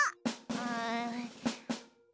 うん。